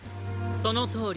そのとおり。